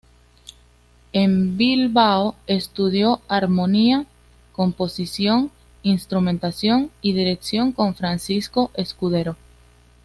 En Bilbao estudió armonía, composición, instrumentación y dirección con Francisco Escudero.